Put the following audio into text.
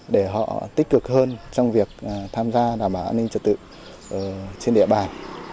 để họ tích cực hơn trong việc tham gia đảm bảo an ninh trật tự trên địa bàn